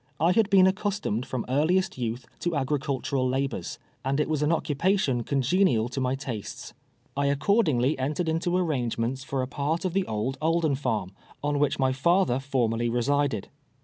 I had been accustomed fi'om earliest youth to agricultural labors, and it was an occupation conge nial to my tastes. I accordingly entered into arrange i*4: TWELVE YEAR3 A SLAVE. ijicnts for a jiart of the old Akleii farm, on wliieli my father formerly resided.